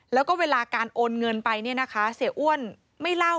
แล้วก็เวลาการโอนเงินไปเสียอ้วนไม่เล่านะ